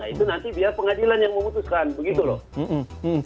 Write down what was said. itu nanti biar pengadilan yang memutuskan begitu loh